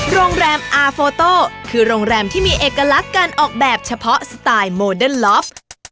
โรงแรมอาโฟโต้คือโรงแรมที่มีเอกลักษณ์การออกแบบเฉพาะสไตล์โมเดิร์นลอฟ